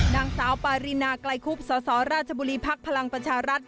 นางสาวปารินาไกลคุบสสราชบุรีภักดิ์พลังประชารัฐ